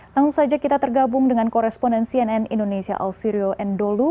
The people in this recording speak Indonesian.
langsung saja kita tergabung dengan koresponden cnn indonesia ausirio endolu